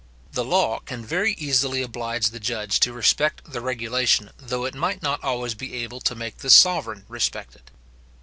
The law can very easily oblige the judge to respect the regulation though it might not always be able to make the sovereign respect it.